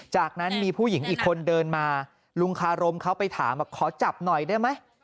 จากนั้นมีผู้หญิงอีกคนเดินมาลุงคารมเขาไปถามว่าขอจับหน่อยได้ไหม